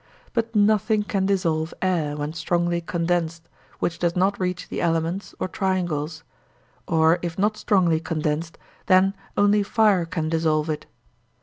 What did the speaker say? But nothing can dissolve air, when strongly condensed, which does not reach the elements or triangles; or if not strongly condensed, then only fire can dissolve it.